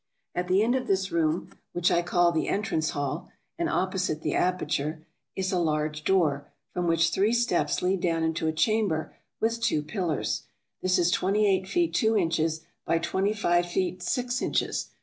At the end of this room, which I call the Entrance Hall, and opposite the aperture, is a large door, from which three steps lead down into a chamber with two pillars. This is twenty eight feet two inches by twenty five feet six inches.